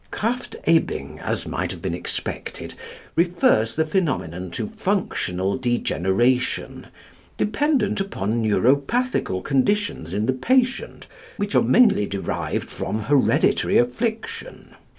Krafft Ebing, as might have been expected, refers the phenomenon to functional degeneration, dependent upon neuropathical conditions in the patient, which are mainly derived from hereditary affliction.